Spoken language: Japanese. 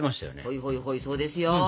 ほいほいほいそうですよ。